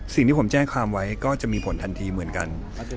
สิ่งที่ผมแจ้งความไว้ก็จะมีผลทันทีเหมือนกัน